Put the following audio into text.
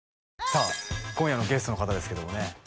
さあ今夜のゲストの方ですけどもね